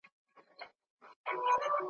د خپل ځان او کورنۍ لپاره ,